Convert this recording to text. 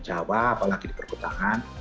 jawa apalagi di perkutangan